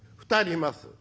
２人います」。